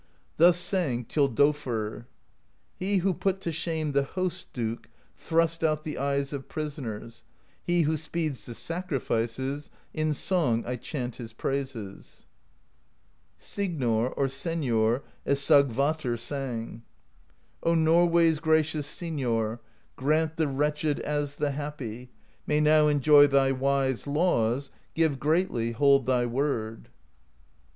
Thus sang Thjo dolfr: He who put to shame the Host Duke Thrust out the eyes of prisoners, — He who speeds the sacrifices; In song I chant his praises. Signor, or Senor, as Sigvatr sang: O Norway's gracious Signor, Grant the wretched, as the happy, May now enjoy thy wise laws; Give greatly, hold thy word!